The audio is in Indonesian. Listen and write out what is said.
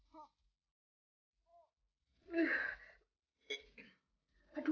jangan kemana kamu